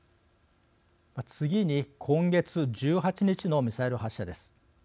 次に今月１８日のミサイル発射です。